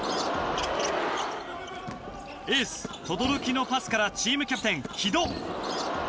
エース轟のパスからチームキャプテン城戸。